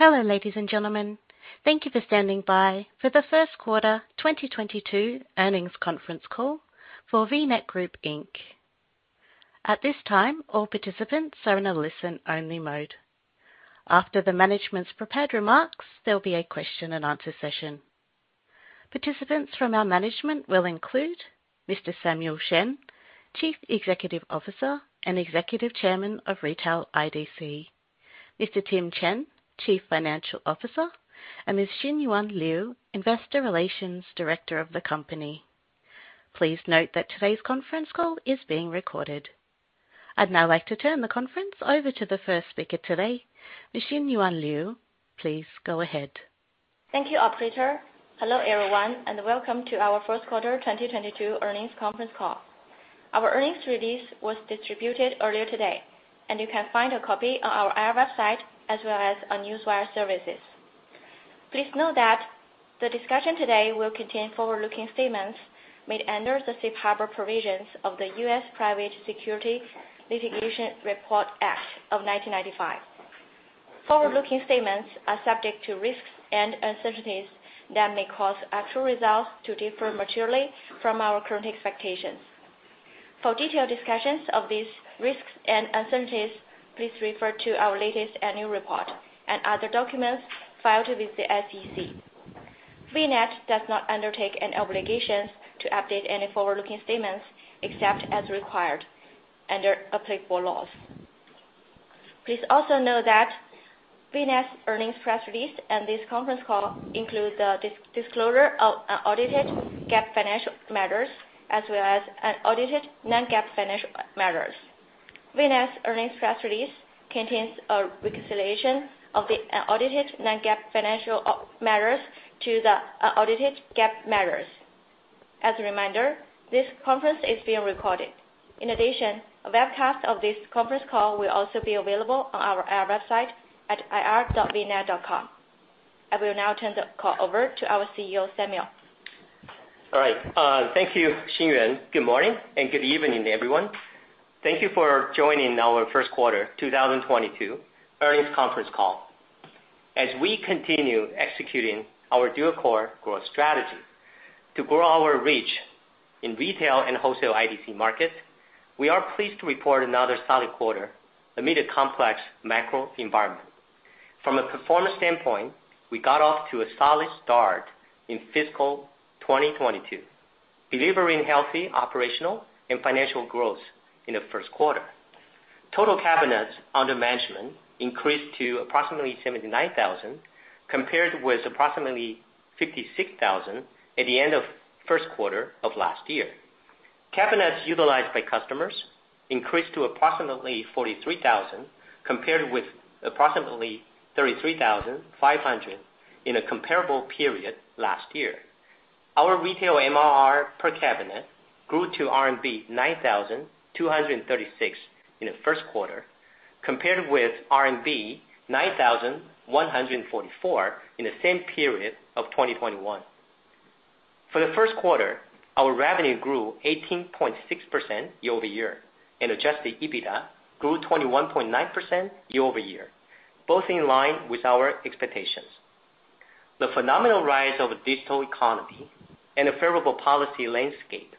Hello, ladies and gentlemen. Thank you for standing by for the Q1 2022 earnings conference call for VNET Group, Inc. At this time, all participants are in a listen-only mode. After the management's prepared remarks, there'll be a question and answer session. Participants from our management will include Mr. Samuel Shen, Chief Executive Officer and Executive Chairman of Retail IDC, Mr. Tim Chen, Chief Financial Officer, and Ms. Xinyuan Liu, Investor Relations Director of the company. Please note that today's conference call is being recorded. I'd now like to turn the conference over to the first speaker today, Ms. Xinyuan Liu. Please go ahead. Thank you, operator. Hello, everyone, and welcome to our Q1 2022 earnings conference call. Our earnings release was distributed earlier today, and you can find a copy on our IR website as well as on newswire services. Please note that the discussion today will contain forward-looking statements made under the safe harbor provisions of the US Private Securities Litigation Reform Act of 1995. Forward-looking statements are subject to risks and uncertainties that may cause actual results to differ materially from our current expectations. For detailed discussions of these risks and uncertainties, please refer to our latest annual report and other documents filed with the SEC. VNET does not undertake any obligations to update any forward-looking statements except as required under applicable laws. Please also know that VNET's earnings press release and this conference call includes the disclosure of unaudited GAAP financial matters as well as unaudited non-GAAP financial matters. VNET's earnings press release contains a reconciliation of the unaudited non-GAAP financial matters to the unaudited GAAP matters. As a reminder, this conference is being recorded. In addition, a webcast of this conference call will also be available on our IR website at ir.vnet.com. I will now turn the call over to our CEO, Samuel. All right. Thank you, Xinyuan. Good morning and good evening, everyone. Thank you for joining our Q1 2022 earnings conference call. As we continue executing our dual core growth strategy to grow our reach in retail and wholesale IDC markets, we are pleased to report another solid quarter amid a complex macro environment. From a performance standpoint, we got off to a solid start in fiscal 2022, delivering healthy operational and financial growth in the Q1. Total cabinets under management increased to approximately 79,000, compared with approximately 56,000 at the end of Q1 of last year. Cabinets utilized by customers increased to approximately 43,000, compared with approximately 33,500 in a comparable period last year. Our retail MRR per cabinet grew to RMB 9,236 in the Q1, compared with RMB 9,144 in the same period of 2021. For the Q1, our revenue grew 18.6% year-over-year, and adjusted EBITDA grew 21.9% year-over-year, both in line with our expectations. The phenomenal rise of digital economy and a favorable policy landscape,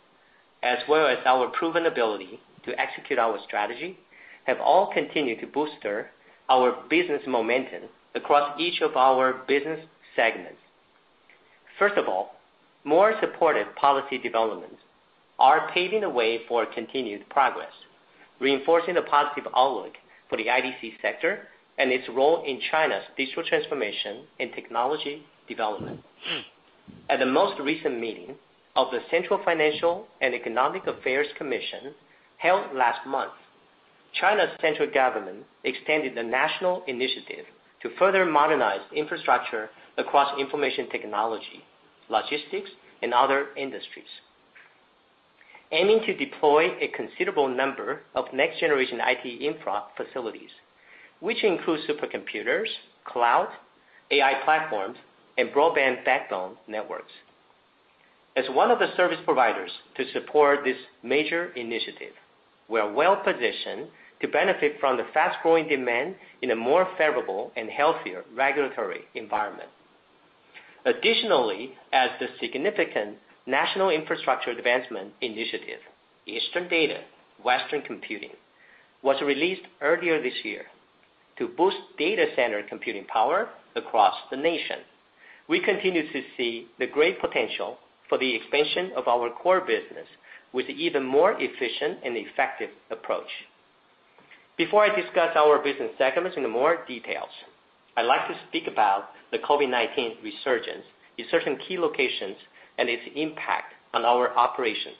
as well as our proven ability to execute our strategy, have all continued to boost our business momentum across each of our business segments. First of all, more supportive policy developments are paving the way for continued progress, reinforcing the positive outlook for the IDC sector and its role in China's digital transformation and technology development. At the most recent meeting of the Central Financial and Economic Affairs Commission held last month, China's central government extended the national initiative to further modernize infrastructure across information technology, logistics, and other industries, aiming to deploy a considerable number of next-generation IT infra facilities, which include supercomputers, cloud, AI platforms, and broadband backbone networks. As one of the service providers to support this major initiative, we are well-positioned to benefit from the fast-growing demand in a more favorable and healthier regulatory environment. Additionally, as the significant national infrastructure advancement initiative, Eastern Data, Western Computing, was released earlier this year to boost data center computing power across the nation. We continue to see the great potential for the expansion of our core business with even more efficient and effective approach. Before I discuss our business segments into more details, I'd like to speak about the COVID-19 resurgence in certain key locations and its impact on our operations.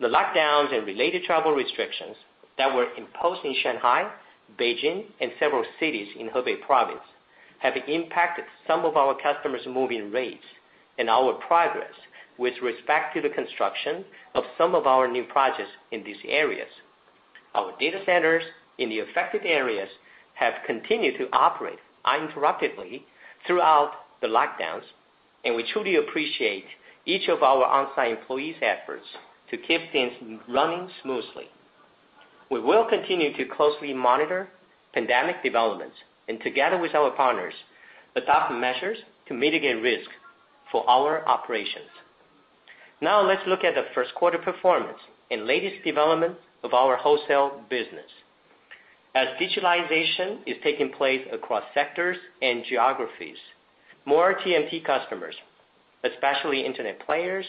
The lockdowns and related travel restrictions that were imposed in Shanghai, Beijing, and several cities in Hebei province have impacted some of our customers' moving rates and our progress with respect to the construction of some of our new projects in these areas. Our data centers in the affected areas have continued to operate uninterruptedly throughout the lockdowns. We truly appreciate each of our on-site employees' efforts to keep things running smoothly. We will continue to closely monitor pandemic developments, and together with our partners, adopt measures to mitigate risk for our operations. Now let's look at the Q1 performance and latest developments of our wholesale business. As digitalization is taking place across sectors and geographies, more TMT customers, especially internet players,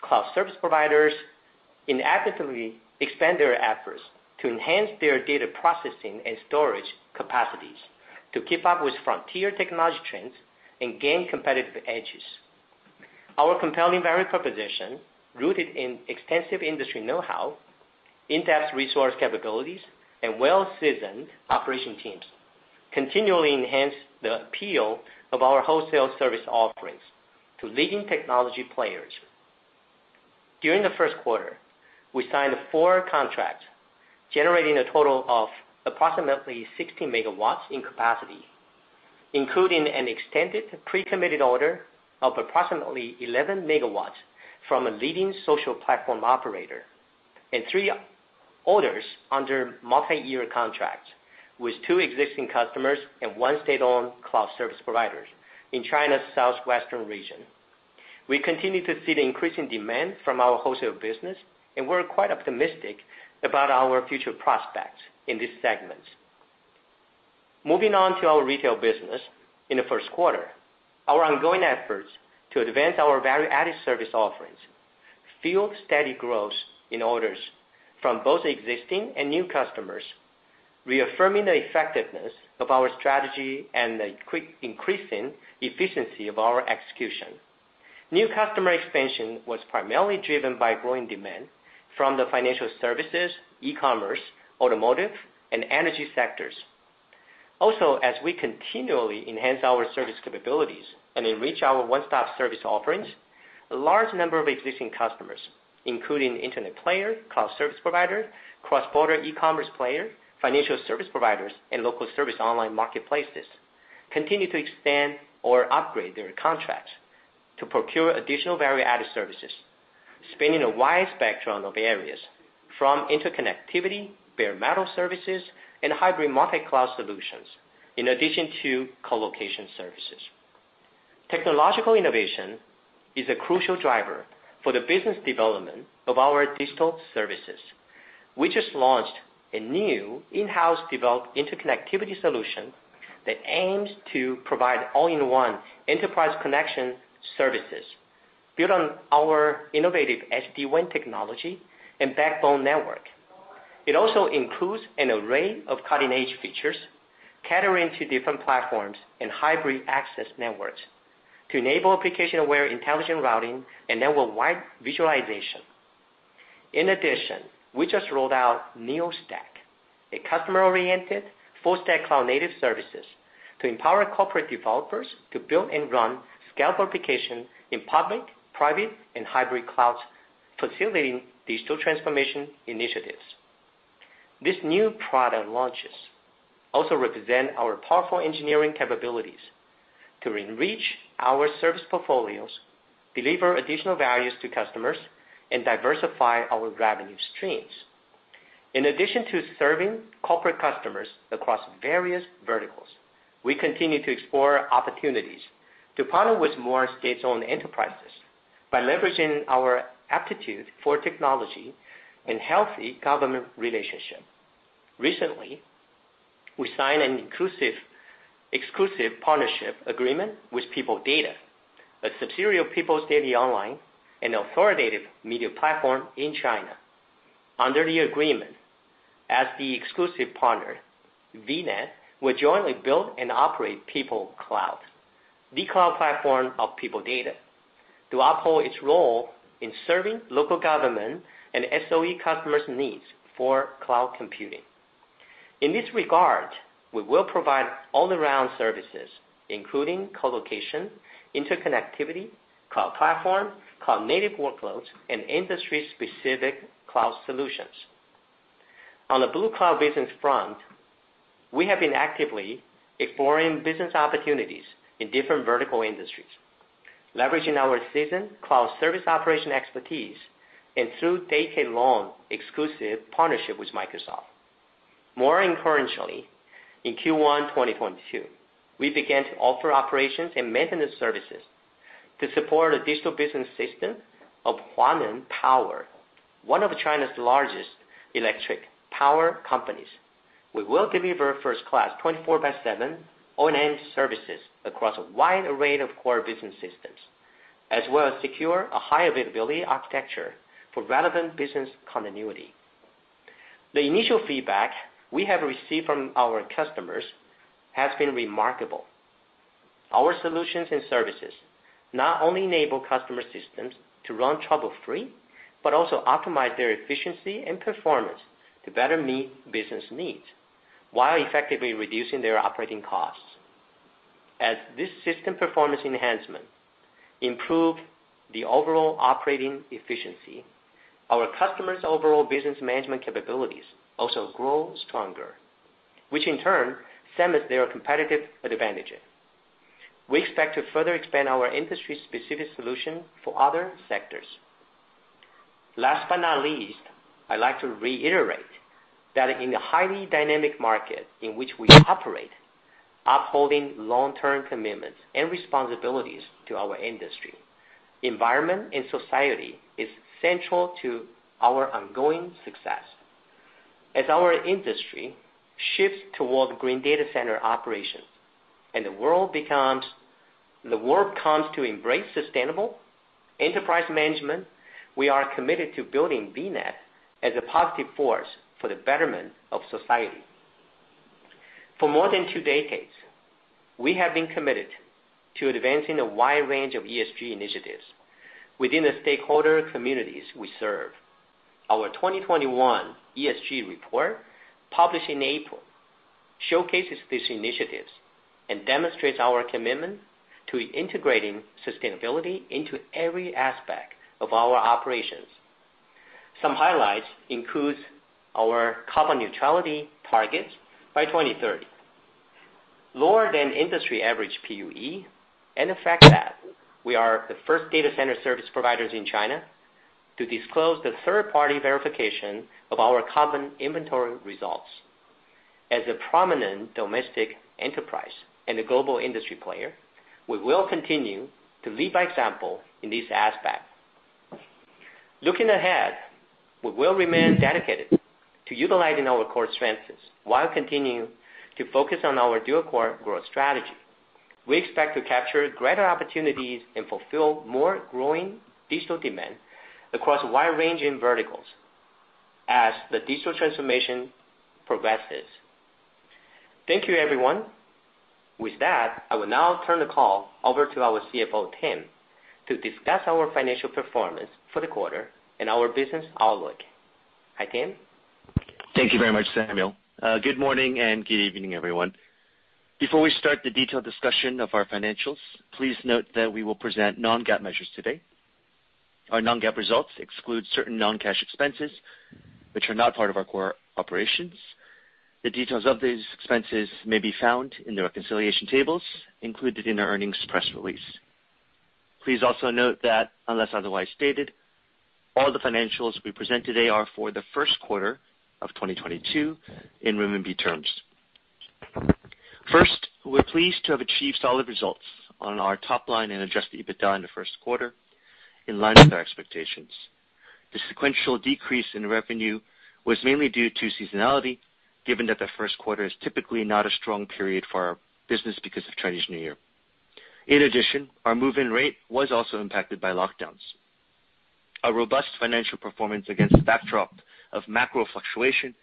cloud service providers, inevitably expand their efforts to enhance their data processing and storage capacities to keep up with frontier technology trends and gain competitive edges. Our compelling value proposition, rooted in extensive industry know-how, in-depth resource capabilities, and well-seasoned operation teams continually enhance the appeal of our wholesale service offerings to leading technology players. During the Q1, we signed 4 contracts, generating a total of approximately 60 MW in capacity, including an extended pre-committed order of approximately 11 MW from a leading social platform operator, and three orders under multi-year contracts with two existing customers and one state-owned cloud service provider in China's southwestern region. We continue to see the increasing demand from our wholesale business, and we're quite optimistic about our future prospects in these segments. Moving on to our retail business. In the Q1, our ongoing efforts to advance our value-added service offerings fueled steady growth in orders from both existing and new customers, reaffirming the effectiveness of our strategy and the quickly increasing efficiency of our execution. New customer expansion was primarily driven by growing demand from the financial services, e-commerce, automotive, and energy sectors. Also, as we continually enhance our service capabilities and enrich our one-stop service offerings, a large number of existing customers, including internet player, cloud service provider, cross-border e-commerce player, financial service providers, and local service online marketplaces, continue to expand or upgrade their contracts to procure additional value-added services, spanning a wide spectrum of areas from interconnectivity, bare metal services, and hybrid multi-cloud solutions, in addition to colocation services. Technological innovation is a crucial driver for the business development of our digital services. We just launched a new in-house developed interconnectivity solution that aims to provide all-in-one enterprise connection services built on our innovative SD-WAN technology and backbone network. It also includes an array of cutting-edge features catering to different platforms and hybrid access networks to enable application-aware intelligent routing and network-wide visualization. In addition, we just rolled out NeoStack, a customer-oriented full-stack cloud-native services to empower corporate developers to build and run scalable applications in public, private, and hybrid clouds, facilitating digital transformation initiatives. These new product launches also represent our powerful engineering capabilities to enrich our service portfolios, deliver additional values to customers, and diversify our revenue streams. In addition to serving corporate customers across various verticals, we continue to explore opportunities to partner with more state-owned enterprises by leveraging our aptitude for technology and healthy government relationship. Recently, we signed an exclusive partnership agreement with People Data, a subsidiary of People's Daily Online, an authoritative media platform in China. Under the agreement, as the exclusive partner, VNET will jointly build and operate People Cloud, the cloud platform of People Data, to uphold its role in serving local government and SOE customers' needs for cloud computing. In this regard, we will provide all-around services, including colocation, interconnectivity, cloud platform, cloud-native workloads, and industry-specific cloud solutions. On the Blue Cloud business front, we have been actively exploring business opportunities in different vertical industries, leveraging our seasoned cloud service operation expertise and through decade-long exclusive partnership with Microsoft. More encouragingly, in Q1 2022, we began to offer operations and maintenance services to support the digital business system of Huaneng Power, one of China's largest electric power companies. We will deliver first-class 24/7 O&M services across a wide array of core business systems, as well as secure a high availability architecture for relevant business continuity. The initial feedback we have received from our customers has been remarkable. Our solutions and services not only enable customer systems to run trouble-free, but also optimize their efficiency and performance to better meet business needs while effectively reducing their operating costs. As this system performance enhancement improve the overall operating efficiency, our customers' overall business management capabilities also grow stronger, which in turn cements their competitive advantages. We expect to further expand our industry specific solution for other sectors. Last but not least, I'd like to reiterate that in the highly dynamic market in which we operate, upholding long-term commitments and responsibilities to our industry, environment and society is central to our ongoing success. As our industry shifts toward green data center operations, and the world comes to embrace sustainable enterprise management, we are committed to building VNET as a positive force for the betterment of society. For more than two decades, we have been committed to advancing a wide range of ESG initiatives within the stakeholder communities we serve. Our 2021 ESG report, published in April, showcases these initiatives and demonstrates our commitment to integrating sustainability into every aspect of our operations. Some highlights includes our carbon neutrality targets by 2030, lower than industry average PUE, and the fact that we are the first data center service providers in China to disclose the third-party verification of our carbon inventory results. As a prominent domestic enterprise and a global industry player, we will continue to lead by example in this aspect. Looking ahead, we will remain dedicated to utilizing our core strengths while continuing to focus on our dual-core growth strategy. We expect to capture greater opportunities and fulfill more growing digital demand across a wide range in verticals as the digital transformation progresses. Thank you, everyone. With that, I will now turn the call over to our CFO, Tim, to discuss our financial performance for the quarter and our business outlook. Hi, Tim. Thank you very much, Samuel. Good morning and good evening, everyone. Before we start the detailed discussion of our financials, please note that we will present non-GAAP measures today. Our non-GAAP results exclude certain non-cash expenses, which are not part of our core operations. The details of these expenses may be found in the reconciliation tables included in the earnings press release. Please also note that unless otherwise stated, all the financials we present today are for the Q1 of 2022 in renminbi terms. First, we're pleased to have achieved solid results on our top line and adjusted EBITDA in the Q1 in line with our expectations. The sequential decrease in revenue was mainly due to seasonality, given that the Q1 is typically not a strong period for our business because of Chinese New Year. In addition, our move-in rate was also impacted by lockdowns. A robust financial performance against the backdrop of macro fluctuation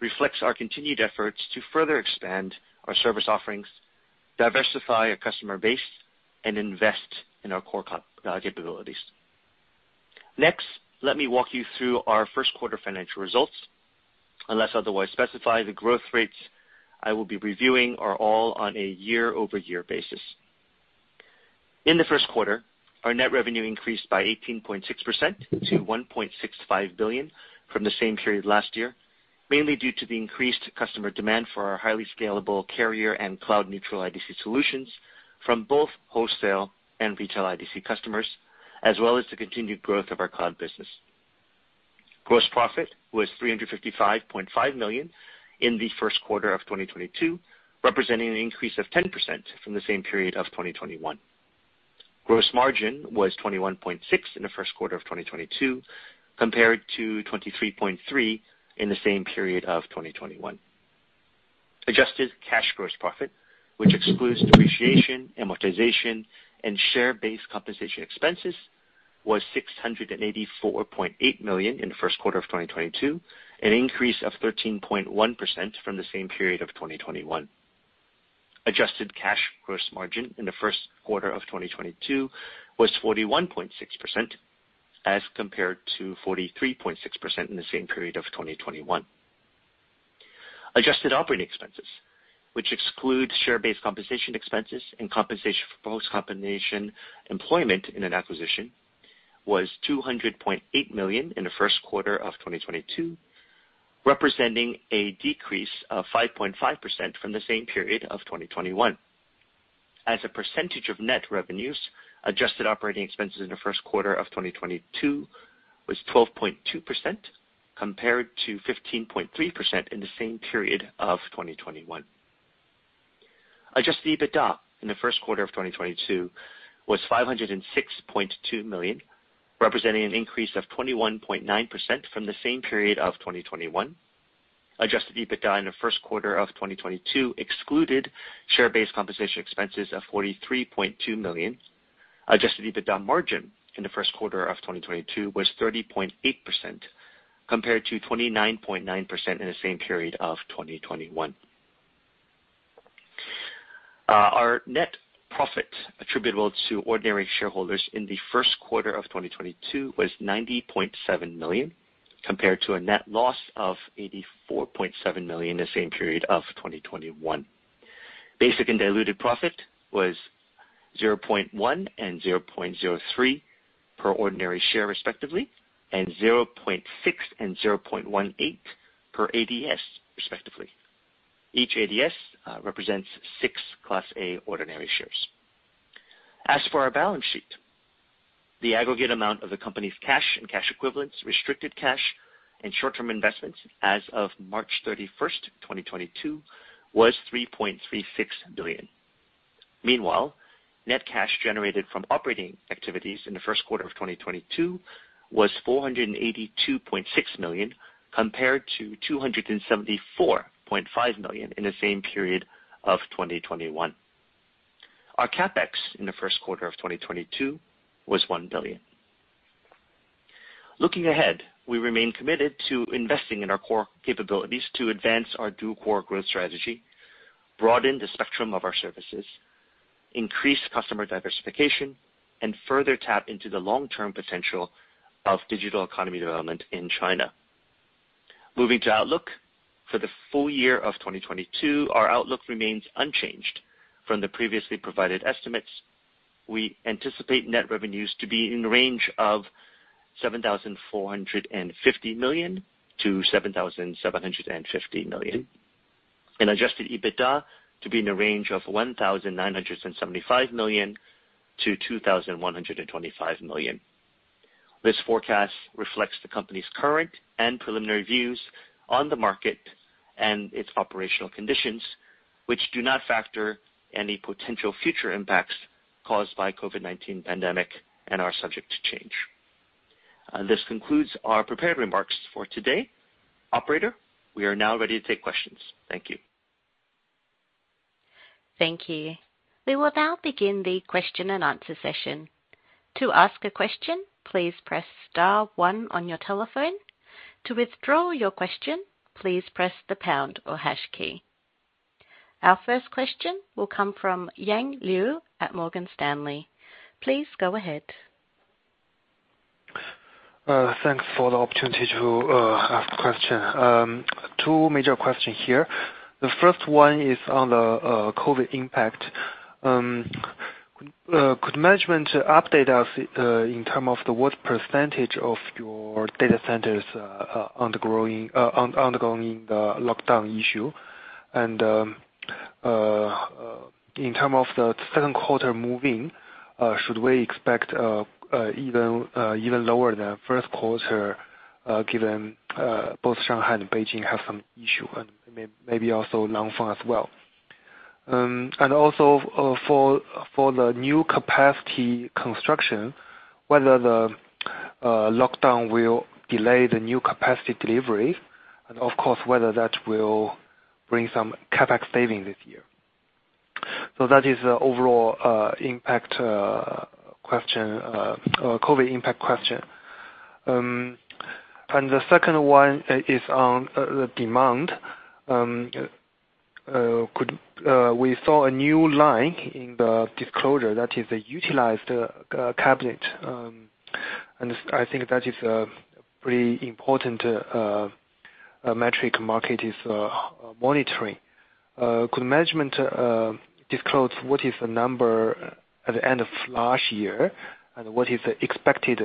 reflects our continued efforts to further expand our service offerings, diversify our customer base, and invest in our core capabilities. Next, let me walk you through our Q1 financial results. Unless otherwise specified, the growth rates I will be reviewing are all on a year-over-year basis. In the Q1, our net revenue increased by 18.6% to 1.65 billion from the same period last year, mainly due to the increased customer demand for our highly scalable carrier and cloud neutral IDC solutions from both wholesale and retail IDC customers, as well as the continued growth of our cloud business. Gross profit was CNY 355.5 million in the Q1 of 2022, representing an increase of 10% from the same period of 2021. Gross margin was 21.6% in the Q1 of 2022, compared to 23.3% in the same period of 2021. Adjusted cash gross profit, which excludes depreciation, amortization, and share-based compensation expenses, was 684.8 million in the Q1 of 2022, an increase of 13.1% from the same period of 2021. Adjusted cash gross margin in the Q1 of 2022 was 41.6%, as compared to 43.6% in the same period of 2021. Adjusted operating expenses, which excludes share-based compensation expenses and compensation for post-combination employment in an acquisition, was 200.8 million in the Q1 of 2022, representing a decrease of 5.5% from the same period of 2021. As a percentage of net revenues, adjusted operating expenses in the Q1 of 2022 was 12.2%, compared to 15.3% in the same period of 2021. Adjusted EBITDA in the Q1 of 2022 was 506.2 million, representing an increase of 21.9% from the same period of 2021. Adjusted EBITDA in the Q1 of 2022 excluded share-based compensation expenses of 43.2 million. Adjusted EBITDA margin in the Q1 of 2022 was 30.8%, compared to 29.9% in the same period of 2021. Our net profit attributable to ordinary shareholders in the Q1 of 2022 was 90.7 million, compared to a net loss of 84.7 million in the same period of 2021. Basic and diluted profit was 0.1 and 0.03 per ordinary share respectively, and 0.6 and 0.18 per ADS respectively. Each ADS represents 6 Class A ordinary shares. As for our balance sheet, the aggregate amount of the company's cash and cash equivalents, restricted cash and short-term investments as of March 31st, 2022 was 3.36 billion. Meanwhile, net cash generated from operating activities in the Q1 of 2022 was 482.6 million, compared to 274.5 million in the same period of 2021. Our CapEx in the Q1 of 2022 was $1 billion. Looking ahead, we remain committed to investing in our core capabilities to advance our dual core growth strategy, broaden the spectrum of our services, increase customer diversification, and further tap into the long-term potential of digital economy development in China. Moving to outlook. For the full year of 2022, our outlook remains unchanged from the previously provided estimates. We anticipate net revenues to be in the range of $7,450 million-$7,750 million. Adjusted EBITDA to be in the range of $1,975 million-$2,125 million. This forecast reflects the company's current and preliminary views on the market and its operational conditions, which do not factor any potential future impacts caused by COVID-19 pandemic and are subject to change. This concludes our prepared remarks for today. Operator, we are now ready to take questions. Thank you. Thank you. We will now begin the question-and-answer session. To ask a question, please press star one on your telephone. To withdraw your question, please press the pound or hash key. Our first question will come from Yang Liu at Morgan Stanley. Please go ahead. Thanks for the opportunity to ask question. Two major questions here. The first one is on the COVID impact. Could management update us in term of the what percentage of your data centers are undergoing the lockdown issue? In term of the Q2 moving, should we expect even lower than Q1, given both Shanghai and Beijing have some issue and maybe also Langfang as well? For the new capacity construction, whether the lockdown will delay the new capacity delivery, and of course, whether that will bring some CapEx savings this year. That is the overall impact question, COVID impact question. The second one is on the demand. Could We saw a new line in the disclosure that is utilized cabinet. I think that is a pretty important metric the market is monitoring. Could management disclose what is the number at the end of last year, and what is the expected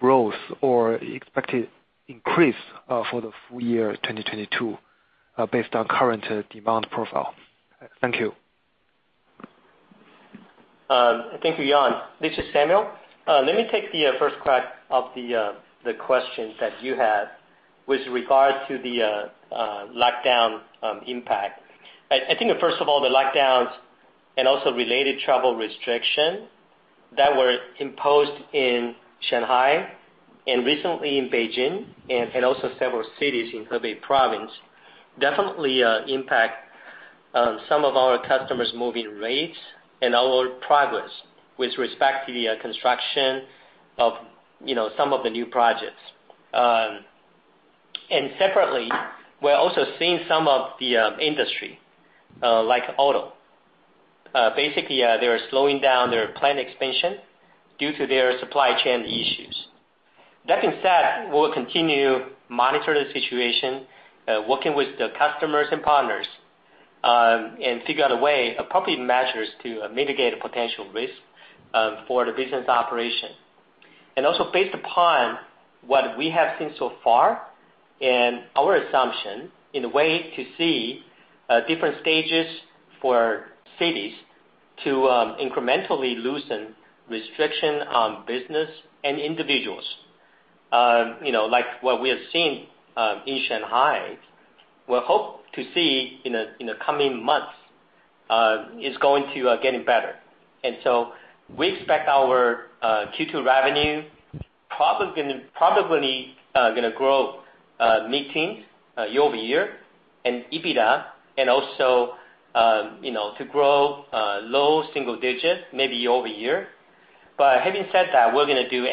growth or expected increase for the full year 2022 based on current demand profile? Thank you. Thank you, Yang Liu. This is Samuel Shen. Let me take the first crack at the questions that you had with regards to the lockdown impact. I think first of all, the lockdowns and also related travel restriction that were imposed in Shanghai and recently in Beijing and also several cities in Hebei province definitely impact some of our customers' moving rates and our progress with respect to the construction of, you know, some of the new projects. Separately, we're also seeing some of the industry, like auto. Basically, they're slowing down their plant expansion due to their supply chain issues. That being said, we'll continue monitor the situation, working with the customers and partners, and figure out a way, appropriate measures to mitigate the potential risk, for the business operation. Based upon what we have seen so far and our assumption in a way to see, different stages for cities to, incrementally loosen restriction on business and individuals. You know, like what we have seen, in Shanghai, we hope to see in the coming months, is going to getting better. We expect our Q2 revenue probably gonna grow mid-teens% year-over-year, and EBITDA and also, you know, to grow low single digits% maybe year-over-year. Having said that, we're gonna do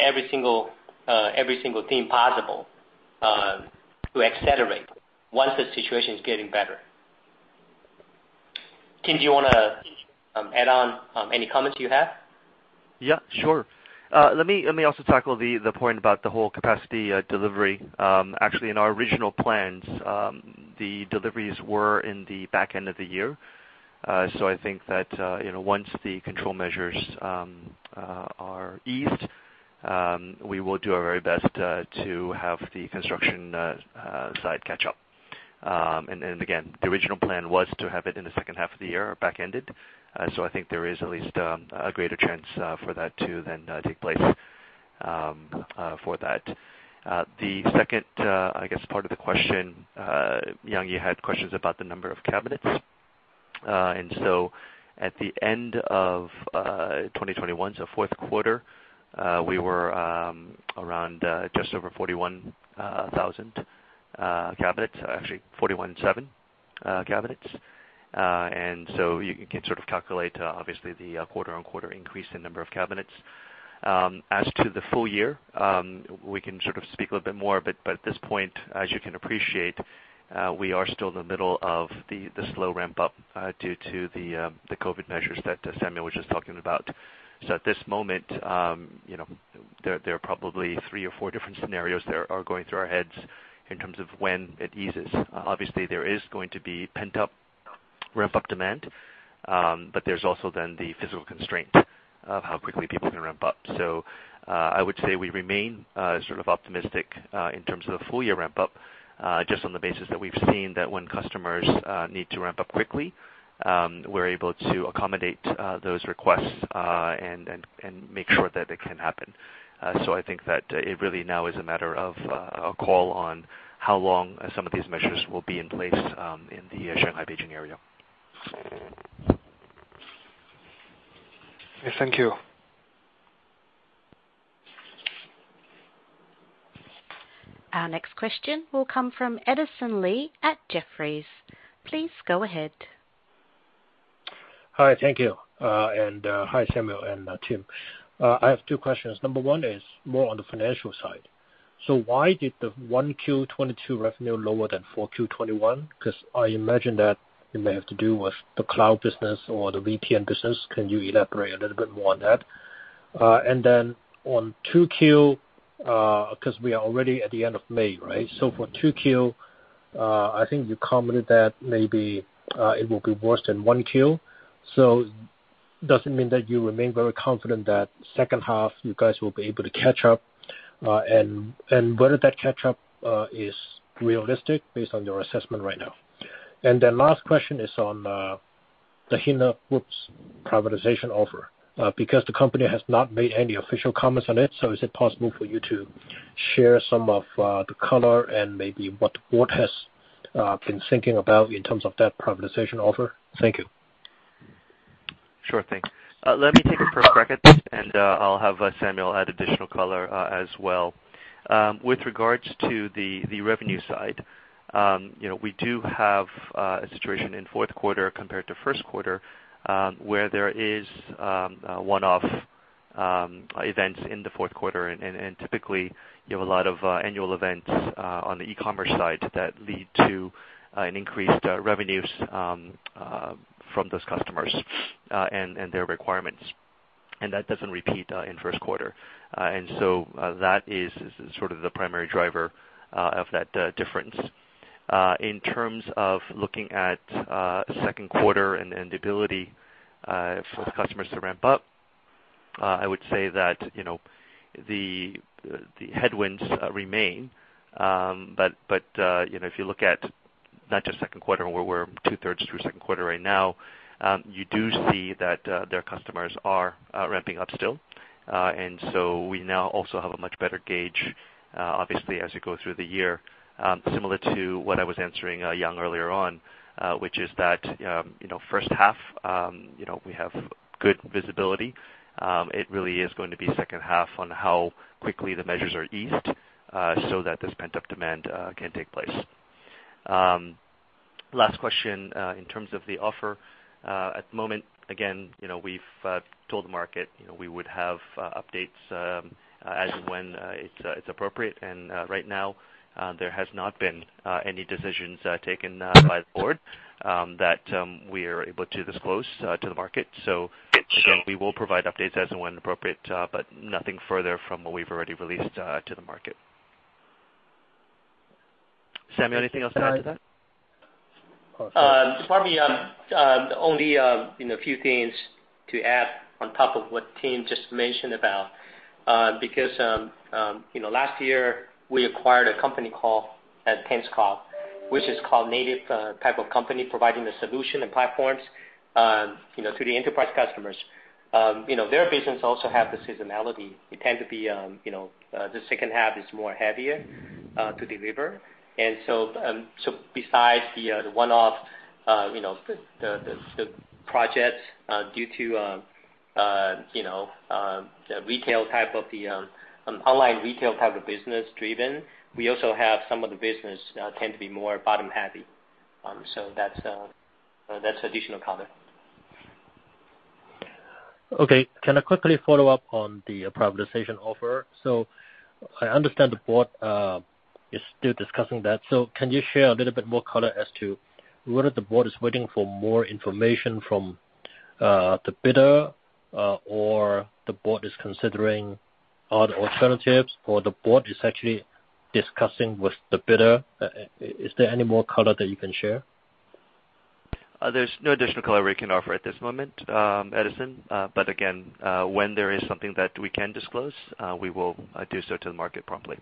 every single thing possible to accelerate once the situation is getting better. Tim, do you wanna add on any comments you have? Yeah, sure. Let me also tackle the point about the whole capacity delivery. Actually in our original plans, the deliveries were in the back end of the year. So I think that, you know, once the control measures are eased, we will do our very best to have the construction site catch up. Again, the original plan was to have it in the second half of the year or back-ended. So I think there is at least a greater chance for that to then take place for that. The second, I guess, part of the question, Yang, you had questions about the number of cabinets. At the end of 2021, Q4, we were around just over 41,000 cabinets. Actually, 41,700 cabinets. You can sort of calculate obviously the quarter-on-quarter increase in number of cabinets. As to the full year, we can sort of speak a little bit more, but at this point, as you can appreciate, we are still in the middle of the slow ramp up due to the COVID measures that Samuel was just talking about. At this moment, you know, there are probably three or four different scenarios that are going through our heads in terms of when it eases. Obviously, there is going to be pent up ramp up demand, but there's also then the physical constraint of how quickly people can ramp up. I would say we remain sort of optimistic in terms of the full year ramp up, just on the basis that we've seen that when customers need to ramp up quickly, we're able to accommodate those requests, and make sure that they can happen. I think that it really now is a matter of a call on how long some of these measures will be in place in the Shanghai, Beijing area. Yes. Thank you. Our next question will come from Edison Lee at Jefferies. Please go ahead. Hi. Thank you. Hi, Samuel and Tim. I have two questions. Number one is more on the financial side. Why did the 1Q 2022 revenue lower than 4Q 2021? 'Cause I imagine that it may have to do with the cloud business or the VPN business. Can you elaborate a little bit more on that? Then on 2Q, 'cause we are already at the end of May, right? For 2Q, I think you commented that maybe it will be worse than 1Q. Doesn't mean that you remain very confident that second half you guys will be able to catch up, and whether that catch up is realistic based on your assessment right now. Then last question is on The Hina Group's privatization offer. Because the company has not made any official comments on it, so is it possible for you to share some of the color and maybe what the board has been thinking about in terms of that privatization offer? Thank you. Sure. Thanks. Let me take it first, Brett, and I'll have Samuel add additional color as well. With regards to the revenue side, you know, we do have a situation in Q4 compared to Q1, where there is a one-off events in the Q4. Typically you have a lot of annual events on the e-commerce side that lead to an increased revenues from those customers and their requirements. That doesn't repeat in Q1. That is sort of the primary driver of that difference. In terms of looking at Q2 and the ability for the customers to ramp up, I would say that, you know, the headwinds remain. You know, if you look at not just Q2 and we're two-thirds through Q2 right now, you do see that their customers are ramping up still. We now also have a much better gauge, obviously as we go through the year, similar to what I was answering Yang earlier on, which is that you know, first half you know, we have good visibility. It really is going to be second half on how quickly the measures are eased so that this pent-up demand can take place. Last question in terms of the offer at the moment, again, you know, we've told the market, you know, we would have updates as and when it's appropriate. Right now, there has not been any decisions taken by the board that we are able to disclose to the market. Again, we will provide updates as and when appropriate, but nothing further from what we've already released to the market. Samuel, anything else to add to that? Probably only you know a few things to add on top of what Tim just mentioned about. Because you know last year we acquired a company called Tencent Cloud, which is cloud-native type of company providing the solution and platforms you know to the enterprise customers. You know their business also have the seasonality. It tend to be you know the second half is more heavier to deliver. Besides the one-off you know the projects due to you know the retail type of online retail type of business driven, we also have some of the business tend to be more bottom heavy. That's additional color. Okay. Can I quickly follow up on the privatization offer? I understand the board, Is still discussing that. Can you share a little bit more color as to whether the board is waiting for more information from the bidder, or the board is considering other alternatives or the board is actually discussing with the bidder. Is there any more color that you can share? There's no additional color we can offer at this moment, Edison. Again, when there is something that we can disclose, we will do so to the market promptly.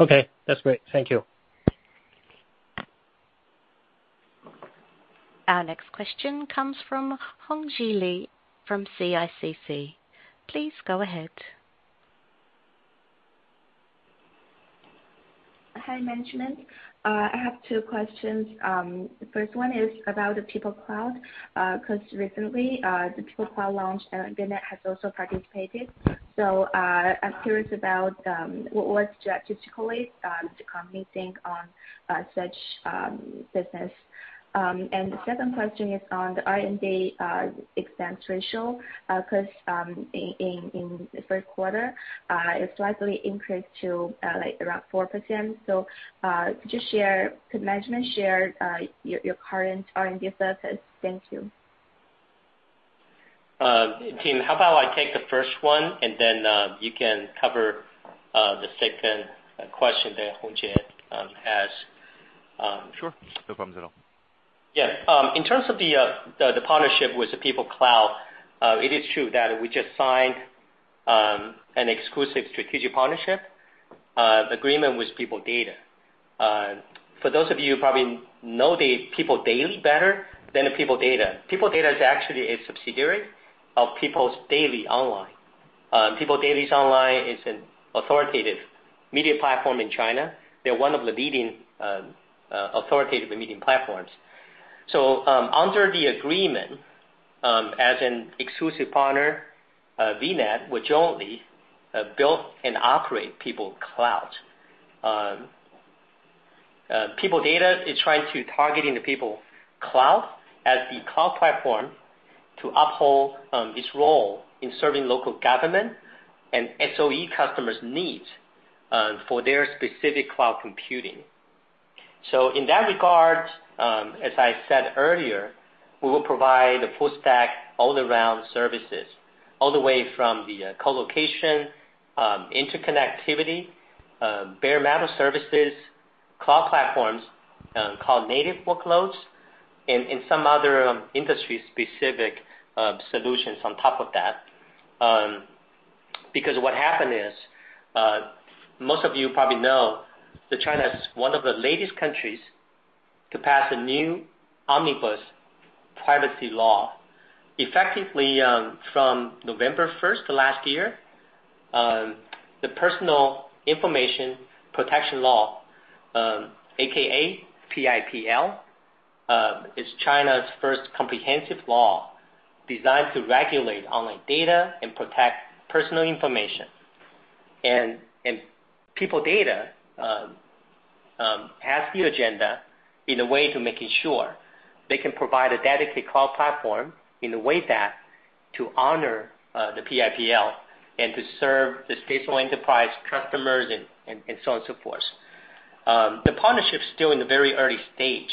Okay. That's great. Thank you. Our next question comes from Hongji Li from CICC. Please go ahead. Hi, management. I have two questions. The first one is about the People Cloud. 'Cause recently, the People Cloud launch, and VNET has also participated. I'm curious about what strategically the company think on such business. The second question is on the R&D expense ratio, 'cause in the Q1, it slightly increased to like around 4%. Could management share your current R&D expenses? Thank you. Tim, how about I take the first one and then you can cover the second question that Hongji Li asked. Sure. No problems at all. Yeah. In terms of the partnership with the People Cloud, it is true that we just signed an exclusive strategic partnership agreement with People Data. For those of you who probably know the People's Daily better than People Data. People Data is actually a subsidiary of People's Daily Online. People's Daily Online is an authoritative media platform in China. They're one of the leading authoritative reading platforms. Under the agreement, as an exclusive partner, VNET, which only build and operate People Cloud. People Data is trying to target the People Cloud as the cloud platform to uphold its role in serving local government and SOE customers' needs for their specific cloud computing. In that regard, as I said earlier, we will provide the full stack all around services, all the way from the colocation, interconnectivity, bare metal services, cloud platforms, cloud-native workloads, and some other industry-specific solutions on top of that. Because what happened is, most of you probably know that China is one of the latest countries to pass a new omnibus privacy law. Effectively, from November first last year, the Personal Information Protection Law, AKA PIPL, is China's first comprehensive law designed to regulate online data and protect personal information. People Data has the agenda in a way to making sure they can provide a dedicated cloud platform in a way that to honor the PIPL and to serve the state-owned enterprise customers and so on, so forth. The partnership's still in the very early stage,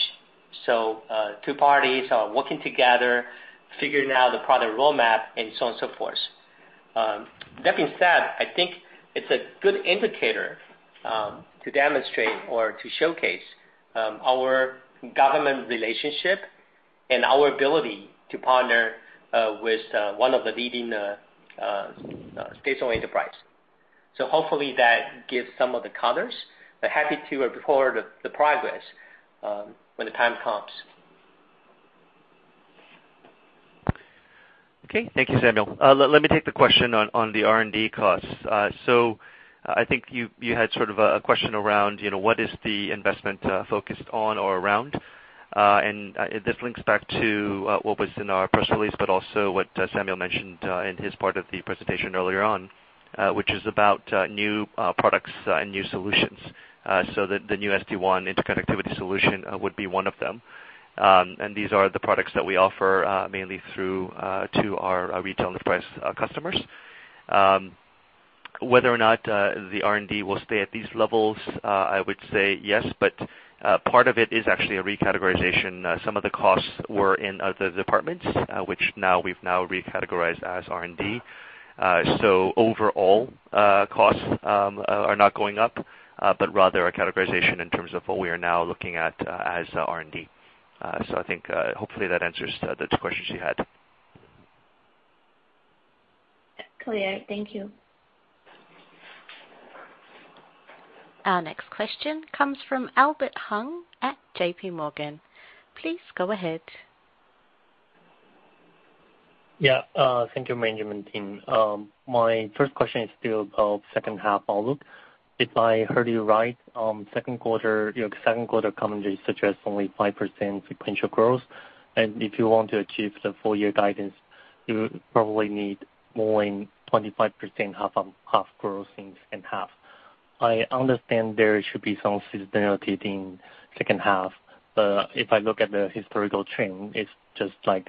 so two parties are working together figuring out the product roadmap and so on, so forth. That being said, I think it's a good indicator to demonstrate or to showcase our government relationship and our ability to partner with one of the leading state-owned enterprise. Hopefully that gives some of the colors, but happy to report the progress when the time comes. Okay. Thank you, Samuel. Let me take the question on the R&D costs. So I think you had sort of a question around, you know, what is the investment focused on or around. This links back to what was in our press release, but also what Samuel mentioned in his part of the presentation earlier on, which is about new products and new solutions. So the new SD-WAN interconnectivity solution would be one of them. And these are the products that we offer mainly to our retail and enterprise customers. Whether or not the R&D will stay at these levels, I would say yes, but part of it is actually a re-categorization. Some of the costs were in other departments, which now we've re-categorized as R&D. Overall, costs are not going up, but rather a categorization in terms of what we are now looking at as R&D. I think, hopefully that answers the two questions you had. Clear. Thank you. Our next question comes from Albert Hung at JPMorgan. Please go ahead. Thank you, management team. My first question is still on second half outlook. If I heard you right, Q2, your Q2 commentary suggests only 5% sequential growth. If you want to achieve the full year guidance, you probably need more than 25% half-on-half growth in second half. I understand there should be some seasonality in second half. If I look at the historical trend, it's just like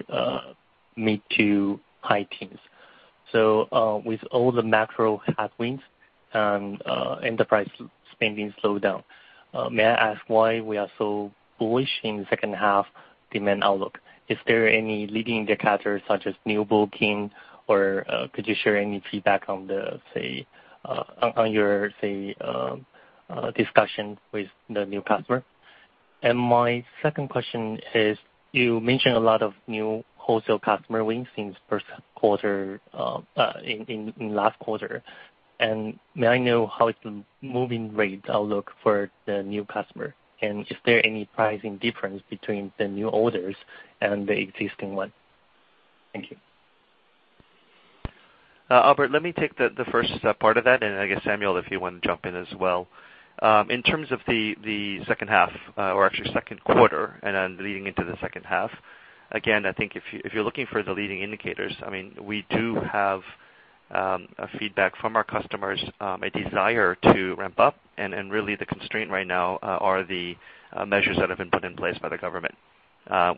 mid- to high teens. With all the macro headwinds and enterprise spending slowdown, may I ask why we are so bullish on second half demand outlook? Is there any leading indicators such as new booking or could you share any feedback on your discussion with the new customer? My second question is, you mentioned a lot of new wholesale customer wins since Q1, in last quarter. May I know how is the utilization rate outlook for the new customer? Is there any pricing difference between the new orders and the existing one? Thank you. Albert, let me take the first part of that, and I guess, Samuel, if you wanna jump in as well. In terms of the second half, or actually Q2 and then leading into the second half, again, I think if you're looking for the leading indicators, I mean, we do have a feedback from our customers, a desire to ramp up. And really the constraint right now are the measures that have been put in place by the government,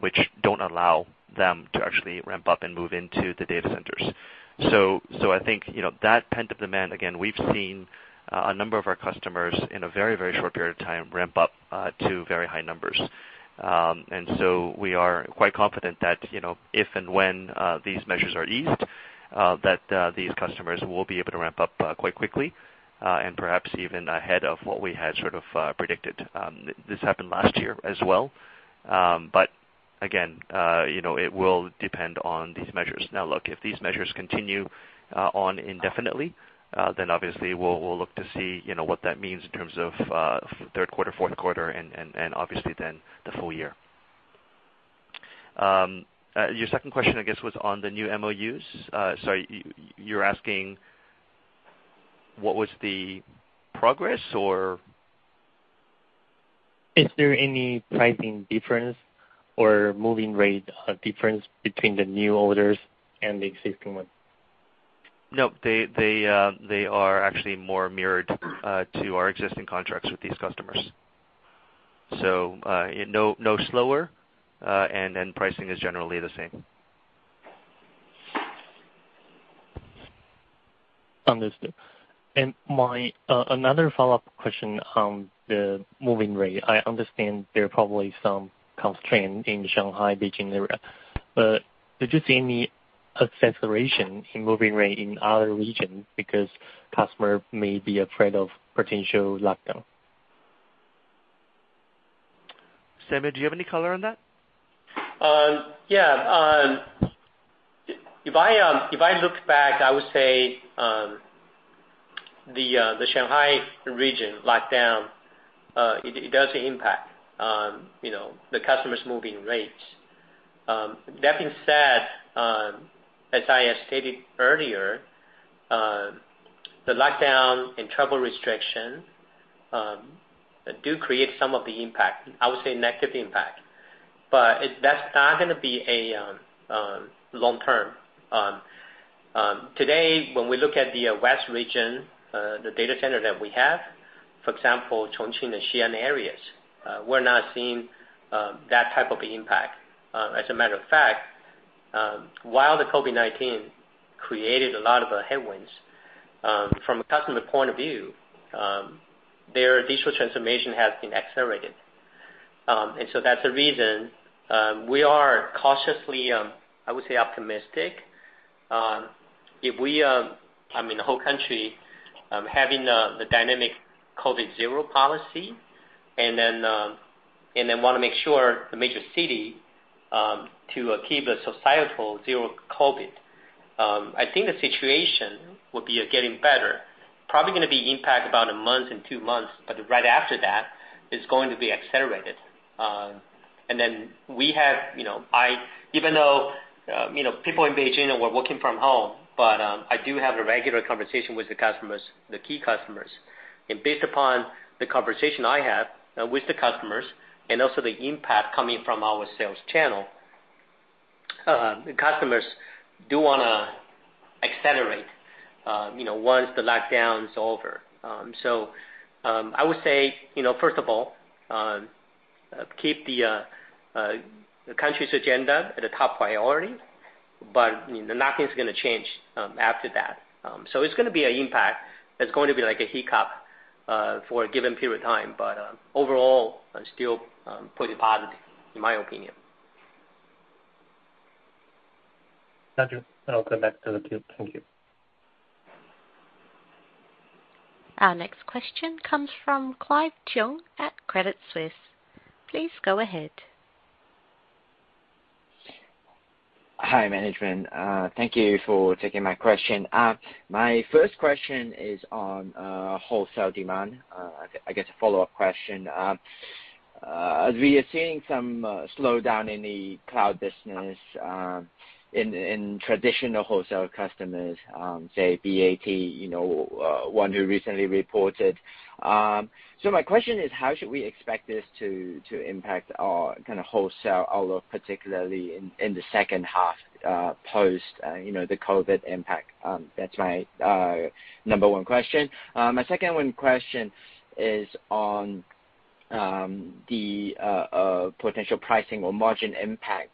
which don't allow them to actually ramp up and move into the data centers. I think, you know, that pent-up demand, again, we've seen a number of our customers in a very, very short period of time ramp up to very high numbers. We are quite confident that, you know, if and when these measures are eased, that these customers will be able to ramp up quite quickly, and perhaps even ahead of what we had sort of predicted. This happened last year as well. Again, you know, it will depend on these measures. Now look, if these measures continue on indefinitely, then obviously we'll look to see, you know, what that means in terms of Q3, Q4 and obviously then the full year. Your second question, I guess, was on the new MOUs. You're asking what was the progress or? Is there any pricing difference or moving rate difference between the new orders and the existing one? No. They are actually more mirrored to our existing contracts with these customers. No, not slower, and then pricing is generally the same. My another follow-up question on the moving rate. I understand there are probably some constraint in Shanghai, Beijing area. Did you see any acceleration in moving rate in other region because customer may be afraid of potential lockdown? Samuel, do you have any color on that? Yeah. If I look back, I would say the Shanghai region lockdown does impact, you know, the customers moving rates. That being said, as I had stated earlier, the lockdown and travel restriction do create some of the impact. I would say negative impact. That's not gonna be a long term. Today, when we look at the West region, the data center that we have, for example, Chongqing and Xi'an areas, we're not seeing that type of impact. As a matter of fact, while the COVID-19 created a lot of headwinds, from a customer point of view, their digital transformation has been accelerated. That's the reason we are cautiously, I would say, optimistic. I mean, the whole country having the dynamic COVID zero policy and then wanna make sure the major city to keep a societal zero COVID, I think the situation will be getting better. Probably gonna be impact about a month and 2 months, but right after that, it's going to be accelerated. We have, you know, even though, you know, people in Beijing were working from home, but I do have a regular conversation with the customers, the key customers. Based upon the conversation I have with the customers and also the impact coming from our sales channel, the customers do wanna accelerate, you know, once the lockdown's over. I would say, you know, first of all, keep the country's agenda at a top priority, but nothing's gonna change after that. It's gonna be an impact. It's going to be like a hiccup for a given period of time. Overall, still pretty positive in my opinion. Got you. I'll come back to the queue. Thank you. Our next question comes from Clive Cheung at Credit Suisse. Please go ahead. Hi, management. Thank you for taking my question. My first question is on wholesale demand. I guess a follow-up question. We are seeing some slowdown in the cloud business in traditional wholesale customers, say BAT, you know, one who recently reported. My question is how should we expect this to impact our kinda wholesale outlook, particularly in the second half, post you know, the COVID impact? That's my number one question. My second question is on the potential pricing or margin impact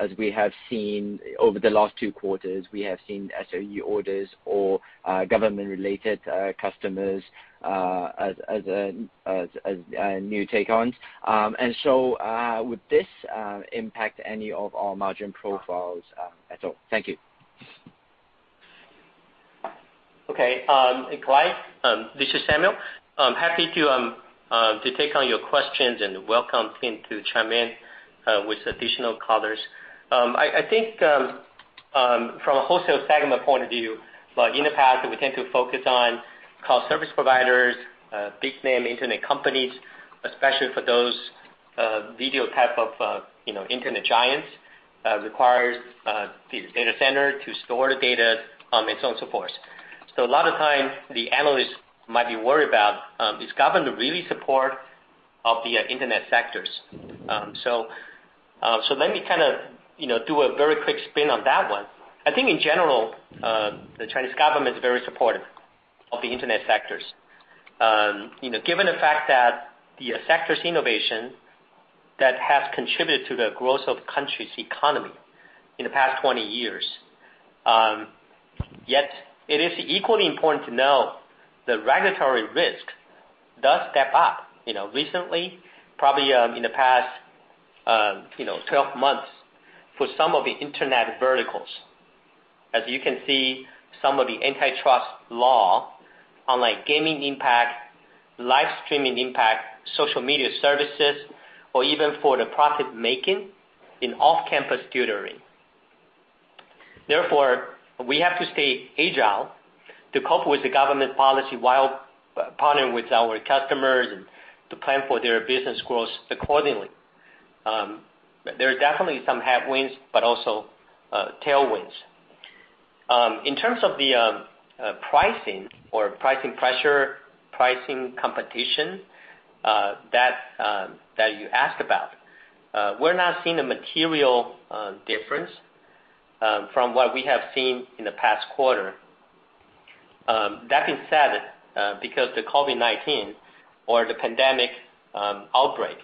as we have seen over the last two quarters. We have seen SOE orders or government-related customers as new take-ons. Would this impact any of our margin profiles at all? Thank you. Okay. Clive, this is Samuel Shen. I'm happy to take on your questions and welcome Tim Chen to chime in with additional colors. I think from a wholesale segment point of view, like in the past, we tend to focus on cloud service providers, big-name internet companies, especially for those video type of, you know, internet giants requires these data center to store the data, and so on, so forth. A lot of times, the analysts might be worried about does government really support of the internet sectors? Let me kinda, you know, do a very quick spin on that one. I think in general, the Chinese government is very supportive of the internet sectors. You know, given the fact that the sectors innovation that has contributed to the growth of country's economy in the past 20 years. Yet it is equally important to know the regulatory risk does step up, you know, recently, probably, in the past, you know, 12 months for some of the internet verticals. As you can see, some of the antitrust law, online gaming impact, live streaming impact, social media services, or even for the profit-making in off-campus tutoring. Therefore, we have to stay agile to cope with the government policy while partnering with our customers and to plan for their business growth accordingly. There are definitely some headwinds, but also, tailwinds. In terms of the pricing or pricing pressure, pricing competition, that you asked about, we're not seeing a material difference from what we have seen in the past quarter. That being said, because the COVID-19 or the pandemic outbreak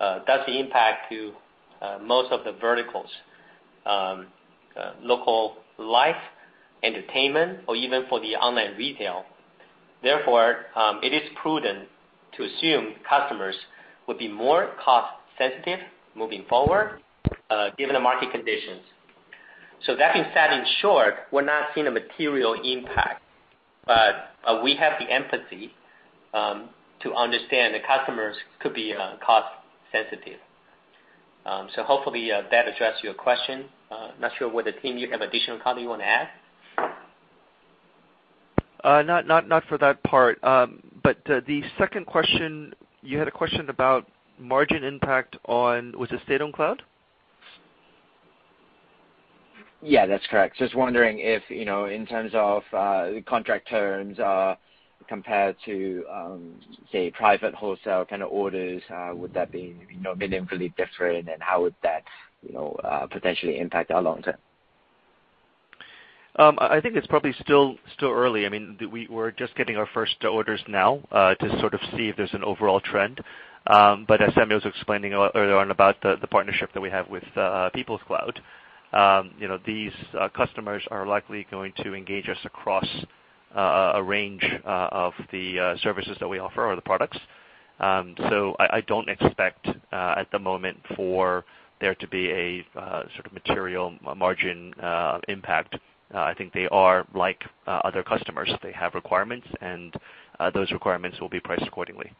does impact to most of the verticals, local life, entertainment or even for the online retail. Therefore, it is prudent to assume customers would be more cost-sensitive moving forward, given the market conditions. That being said, in short, we're not seeing a material impact, but we have the empathy to understand the customers could be cost-sensitive. Hopefully, that addressed your question. Not sure whether Tim you have additional comment you wanna add. Not for that part. The second question, you had a question about margin impact on. Was it state-owned cloud? Yeah, that's correct. Just wondering if, you know, in terms of, contract terms, compared to, say, private wholesale kinda orders, would that be, you know, meaningfully different, and how would that, you know, potentially impact our long term? I think it's probably still early. I mean, we're just getting our first orders now to sort of see if there's an overall trend. As Samuel was explaining earlier on about the partnership that we have with People Cloud, you know, these customers are likely going to engage us across a range of the services that we offer or the products. I don't expect at the moment for there to be a sort of material margin impact. I think they are like other customers. They have requirements, and those requirements will be priced accordingly.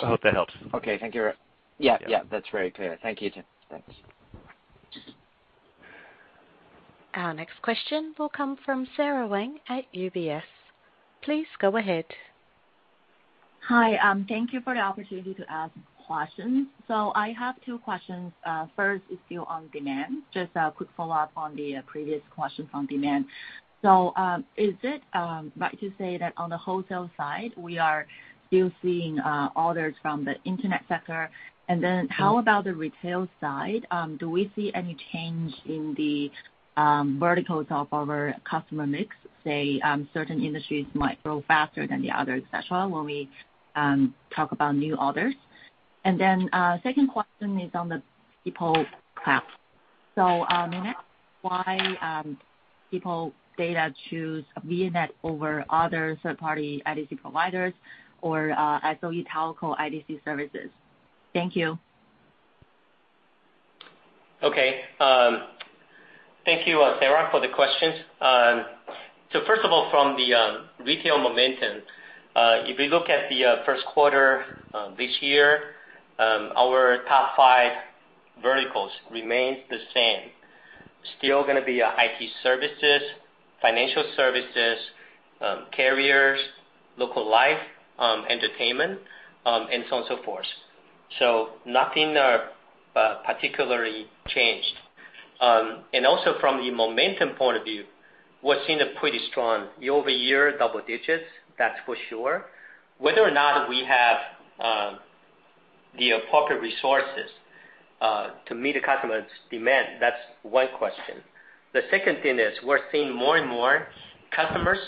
I hope that helps. Okay. Thank you. Yeah. Yeah. Yeah. That's very clear. Thank you, Tim. Thanks. Our next question will come from Sara Wang at UBS. Please go ahead. Hi. Thank you for the opportunity to ask questions. I have two questions. First is still on demand. Just a quick follow-up on the previous question from demand. Is it right to say that on the wholesale side, we are still seeing orders from the internet sector? And then how about the retail side? Do we see any change in the verticals of our customer mix? Say, certain industries might grow faster than the others, et cetera, when we talk about new orders? And then, second question is on the People Cloud. May I ask why People Data choose VNET over other third-party IDC providers or SOE telco IDC services? Thank you. Okay. Thank you, Sara, for the questions. First of all, from the retail momentum, if we look at the Q1 this year, our top five verticals remains the same. Still gonna be IT services, financial services, carriers, local life, entertainment, and so on and so forth. Nothing particularly changed. Also from the momentum point of view, we're seeing a pretty strong year-over-year double digits, that's for sure. Whether or not we have the appropriate resources to meet the customer's demand. That's one question. The second thing is we're seeing more and more customers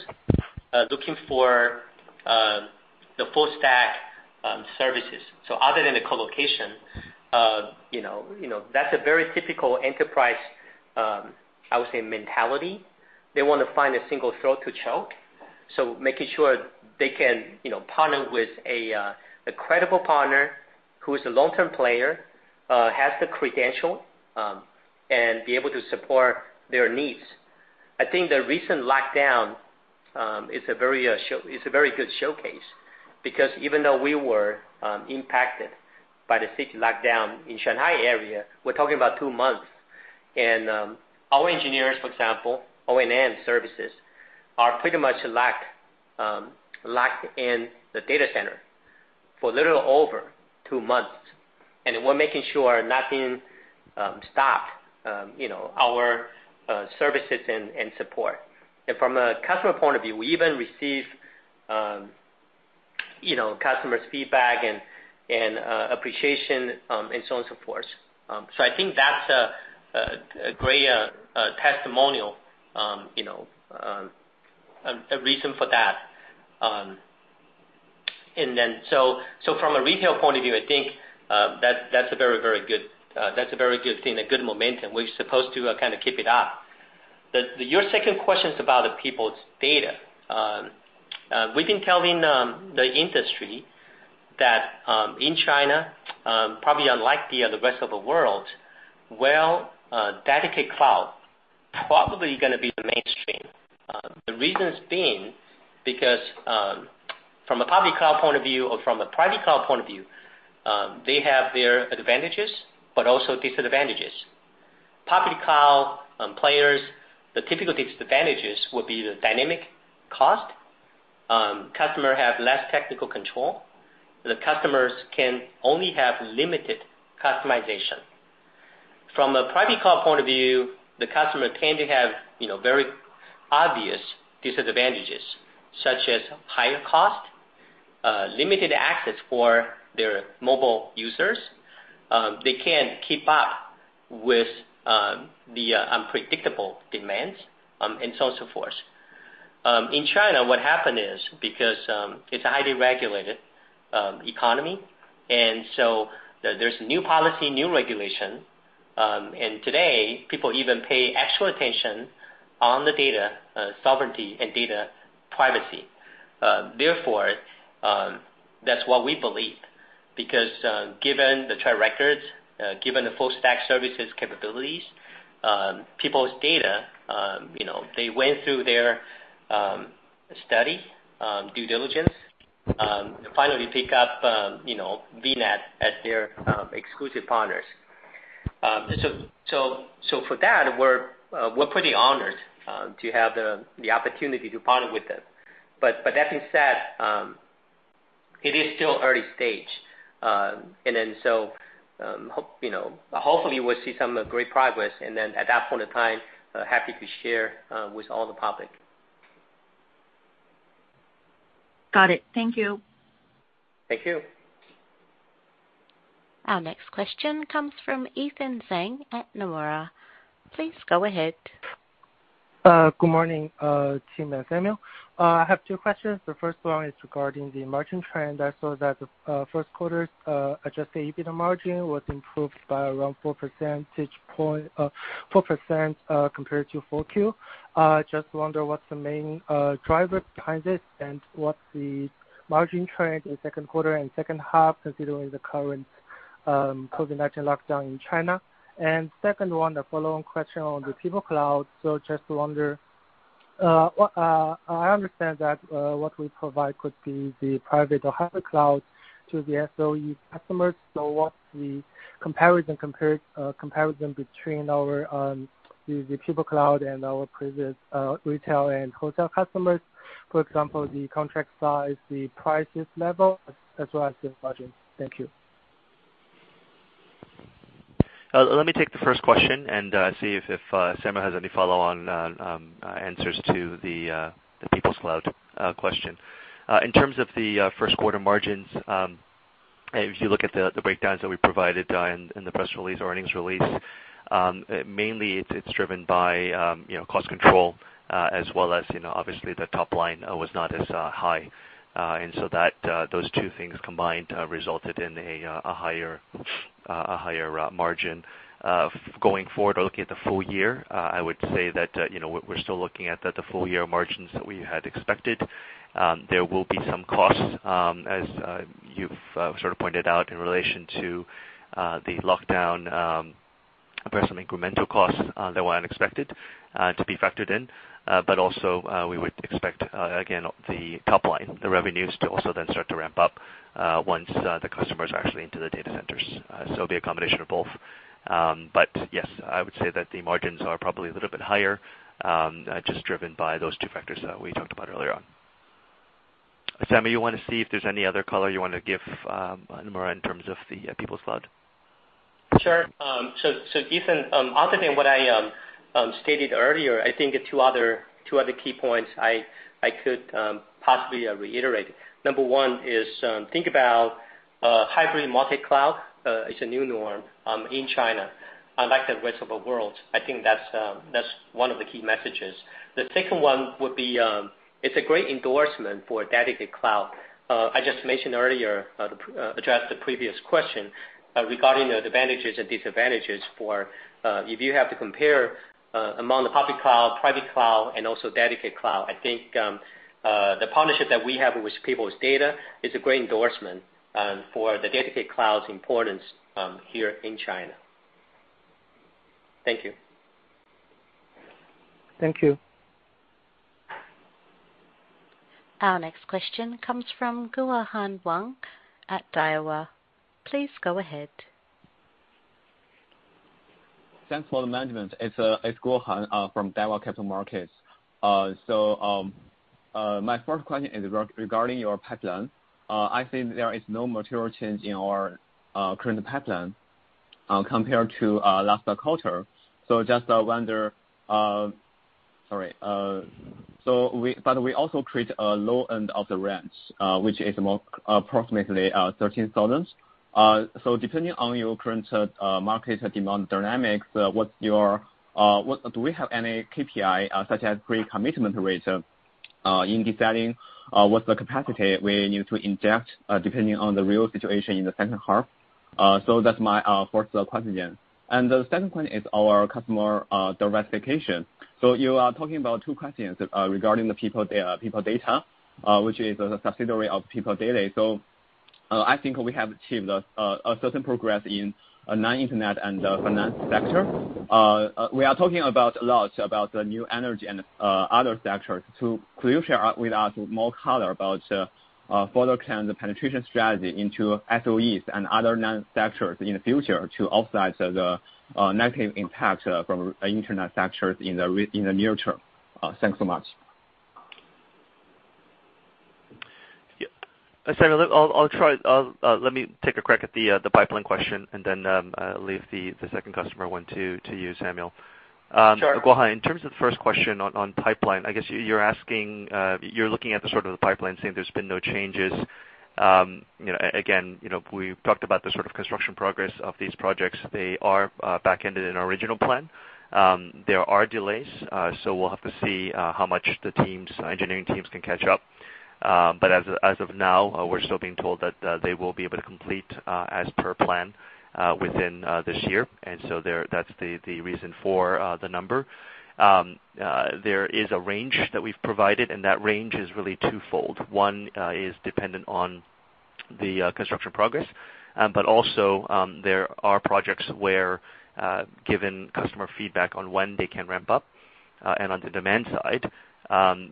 looking for the full stack services. Other than the colocation, you know, that's a very typical enterprise, I would say mentality. They wanna find a single throat to choke, so making sure they can, you know, partner with a credible partner who is a long-term player, has the credential, and be able to support their needs. I think the recent lockdown is a very good showcase because even though we were impacted by the city lockdown in Shanghai area, we're talking about two months. Our engineers, for example, O&M services, are pretty much locked in the data center for a little over two months. We're making sure nothing stops our services and support. From a customer point of view, we even receive you know customers' feedback and appreciation and so on, so forth. I think that's a great testimonial, you know, a reason for that. From a retail point of view, I think that's a very good thing, a good momentum. We're supposed to kind of keep it up. Your second question is about the People Data. We've been telling the industry that in China, probably unlike the rest of the world, well, dedicated cloud probably gonna be the mainstream. The reasons being because from a public cloud point of view or from a private cloud point of view, they have their advantages but also disadvantages. Public cloud players, the typical disadvantages would be the dynamic cost. Customer have less technical control. The customers can only have limited customization. From a private cloud point of view, the customer tend to have, you know, very obvious disadvantages, such as higher cost, limited access for their mobile users. They can't keep up with the unpredictable demands, and so on, so forth. In China, what happened is because it's a highly regulated economy, and so there's new policy, new regulation. Today, people even pay actual attention on the data sovereignty and data privacy. Therefore, that's what we believe, because given the track records, given the full stack services capabilities, People Data, you know, they went through their study, due diligence, and finally pick up, you know, VNET as their exclusive partners. For that, we're pretty honored to have the opportunity to partner with them. That being said, it is still early stage. You know, hopefully we'll see some great progress, and then at that point of time, happy to share with all the public. Got it. Thank you. Thank you. Our next question comes from Ethan Zhang at Nomura. Please go ahead. Good morning, Tim and Samuel. I have two questions. The first one is regarding the margin trend. I saw that the Q1's adjusted EBITDA margin was improved by around 4% compared to 4Q. Just wonder what's the main driver behind this, and what's the margin trend in Q2 and second half, considering the current COVID-19 lockdown in China. Second one, a follow-on question on the People Cloud. Just wonder what I understand that what we provide could be the private or hybrid cloud to the SOE customers. What's the comparison between the People Cloud and our previous retail and wholesale customers? For example, the contract size, the price level, as well as the margin. Thank you. Let me take the first question and see if Samuel Shen has any follow-on answers to the People Cloud question. In terms of the Q1 margins, if you look at the breakdowns that we provided in the press release, our earnings release, mainly it's driven by, you know, cost control, as well as, you know, obviously the top line was not as high. Those two things combined resulted in a higher margin. Going forward or looking at the full year, I would say that, you know, we're still looking at the full-year margins that we had expected. There will be some costs, as you've sort of pointed out in relation to the lockdown, perhaps some incremental costs that were unexpected to be factored in. We would expect again the top line, the revenues to also then start to ramp up once the customers are actually into the data centers. It will be a combination of both. Yes, I would say that the margins are probably a little bit higher, just driven by those two factors we talked about earlier on. Samuel, you wanna see if there's any other color you wanna give Nomura in terms of the People Cloud? Sure. Ethan, other than what I stated earlier, I think the two other key points I could possibly reiterate. Number one is hybrid multi-cloud is a new norm in China, unlike the rest of the world. I think that's one of the key messages. The second one would be it's a great endorsement for dedicated cloud. I just mentioned earlier to address the previous question regarding the advantages and disadvantages for if you have to compare among the public cloud, private cloud, and also dedicated cloud. I think the partnership that we have with People Data is a great endorsement for the dedicated cloud's importance here in China. Thank you. Thank you. Our next question comes from Guohan Wang at Daiwa. Please go ahead. Thanks for the management. It's Guohan Wang from Daiwa Capital Markets. My first question is regarding your pipeline. I think there is no material change in your current pipeline compared to last quarter. Just wonder. Sorry. But we also create a low end of the range, which is more approximately 13,000. Depending on your current market demand dynamics, what's your? Do we have any KPI such as pre-commitment rates in deciding what's the capacity we need to inject depending on the real situation in the second half? That's my first question. The second one is your customer diversification. You are talking about two questions regarding the People Data, which is a subsidiary of People's Daily. I think we have achieved a certain progress in non-internet and finance sector. We are talking about a lot about the new energy and other sectors. Could you share with us more color about further kind of the penetration strategy into SOEs and other non-internet sectors in the future to offset the negative impact from internet sectors in the near term? Thanks so much. Yeah. Samuel, I'll try. Let me take a crack at the pipeline question and then leave the second customer one to you, Samuel. Sure. Guohan, in terms of the first question on pipeline, I guess you're asking. You're looking at the sort of pipeline, saying there's been no changes. You know, again, you know, we've talked about the sort of construction progress of these projects. They are backended in our original plan. There are delays, so we'll have to see how much the teams, engineering teams can catch up. But as of now, we're still being told that they will be able to complete as per plan within this year. They're. That's the reason for the number. There is a range that we've provided, and that range is really twofold. One is dependent on the construction progress. There are projects where, given customer feedback on when they can ramp up, and on the demand side,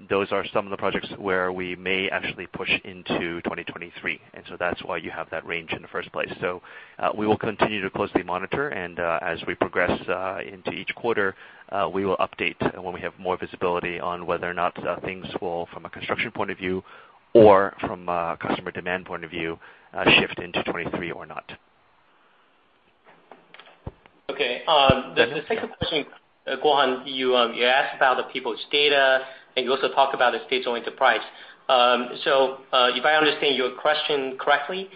those are some of the projects where we may actually push into 2023. That's why you have that range in the first place. We will continue to closely monitor, and as we progress into each quarter, we will update when we have more visibility on whether or not things will, from a construction point of view or from a customer demand point of view, shift into 2023 or not. Okay. The second question, Guohan, you asked about the People Data, and you also talked about the state-owned enterprise. If I understand your question correctly,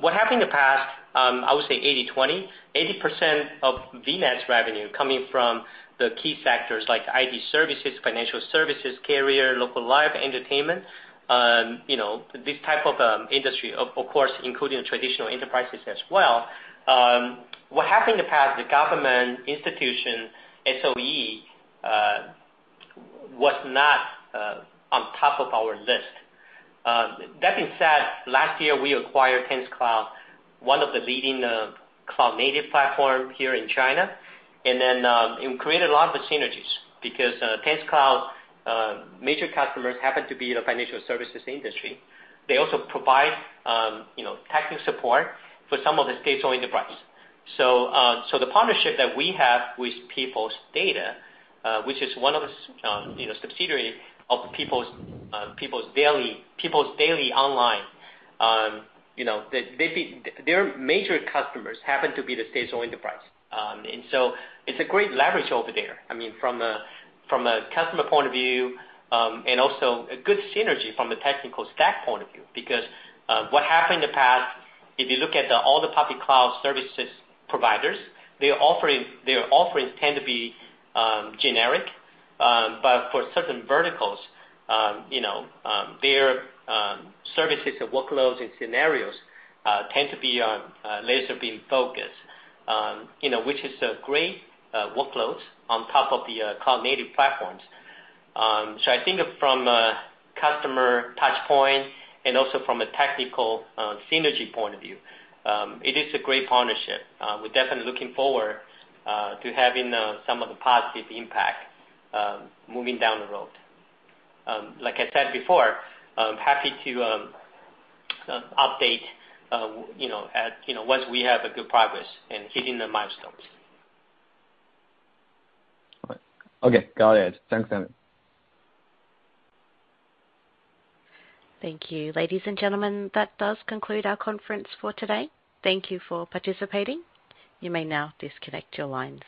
what happened in the past, I would say 80/20. 80% of VNET's revenue coming from the key sectors like IT services, financial services, carrier, local live, entertainment, you know, this type of industry, of course, including traditional enterprises as well. What happened in the past, the government institution, SOE, was not on top of our list. That being said, last year we acquired Tencent Cloud, one of the leading cloud-native platform here in China. It created a lot of the synergies because Tencent Cloud major customers happen to be the financial services industry. They also provide, you know, technical support for some of the state-owned enterprises. The partnership that we have with People Data, which is a subsidiary of People's Daily, People's Daily Online, you know, their major customers happen to be the state-owned enterprises. It's a great leverage over there. I mean, from a customer point of view, and also a good synergy from a technical stack point of view. What happened in the past, if you look at all the public cloud services providers, their offerings tend to be generic. For certain verticals, you know, their services and workloads and scenarios tend to be laser beam focused, you know, which is a great workloads on top of the cloud-native platforms. I think from a customer touch point and also from a technical synergy point of view, it is a great partnership. We're definitely looking forward to having some of the positive impact moving down the road. Like I said before, I'm happy to update you know at you know once we have a good progress in hitting the milestones. All right. Okay. Got it. Thanks, Samuel. Thank you. Ladies and gentlemen, that does conclude our conference for today. Thank you for participating. You may now disconnect your lines.